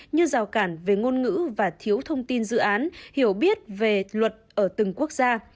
như rào cản về ngôn ngữ và thiếu thông tin dự án hiểu biết về luật ở từng quốc gia